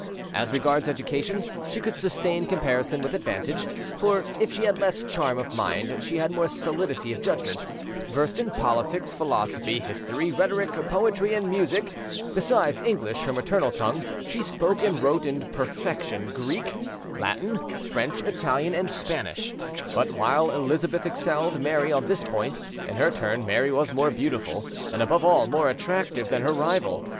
As regards education, she could sustain comparison with advantage; for if she had less charm of mind, she had more solidity of judgment: versed in politics, philosophy, history; rhetoric, poetry and music, besides English, her maternal tongue, she spoke and wrote to perfection Greek, Latin, French, Italian and Spanish; but while Elizabeth excelled Mary on this point, in her turn Mary was more beautiful, and above all more attractive, than her rival.